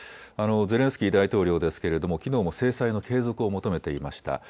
ゼレンスキー大統領ですがきのうも制裁の継続を求めていました。